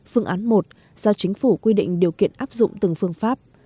phương án một giao chính phủ quy định điều kiện áp dụng từng phương pháp